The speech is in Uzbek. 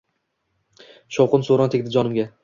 Shovqin-suron tegdi jonimga.